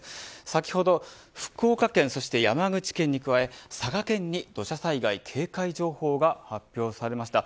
先ほど福岡県、そして山口県に加え佐賀県に土砂災害警戒情報が発表されました。